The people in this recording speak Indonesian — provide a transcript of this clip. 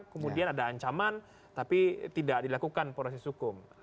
kemudian ada ancaman tapi tidak dilakukan proses hukum